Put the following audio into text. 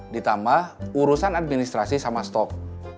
ditambah urusan administrasi sama stok